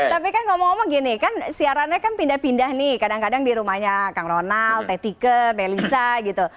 tapi kan ngomong ngomong gini kan siarannya kan pindah pindah nih kadang kadang di rumahnya kang ronald tetike melisa gitu